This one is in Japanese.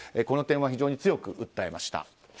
この点は非常に強く訴えました。